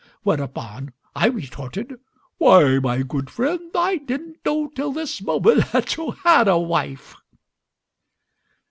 Whereupon I retorted, 'Why, my good friend, I didn't know till this moment that you had a wife.'"